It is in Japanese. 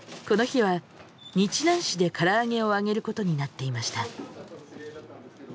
この日は日南市でからあげを揚げることになっていました。